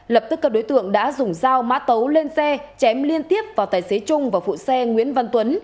lập tức các đối tượng đã dùng dao mã tấu lên xe chém liên tiếp vào tài xế trung và phụ xe nguyễn văn tuấn